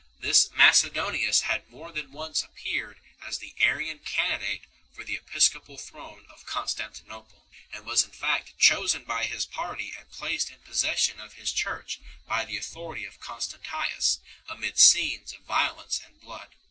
This Macedonius had more than once appeared as the Arian candidate for the episcopal throne of Constantinople, and was in fact chosen by his party and placed in possession of his church by the authority of Con stantius, amid scenes of violence and blood 5